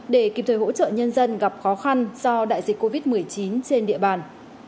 để kịp thời hỗ trợ nhân dân gặp khó khăn do đại dịch covid một mươi chín trên địa bàn